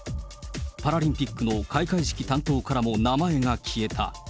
パラリンピックの開会式担当からも名前が消えた。